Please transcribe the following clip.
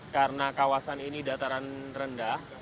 karena kawasan ini dataran rendah